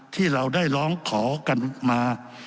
ที่เราได้ร้องขอกันมา